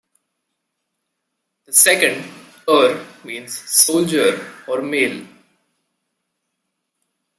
The second, "er" means soldier or male.